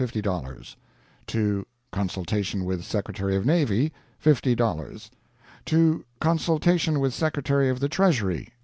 $50 To consultation with Secretary of Navy ........... $50 To consultation with Secretary of the Treasury